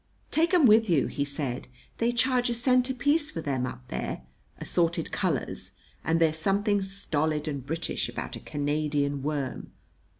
"Take 'em with you," he said. "They charge a cent apiece for them up there, assorted colors, and there's something stolid and British about a Canadian worm.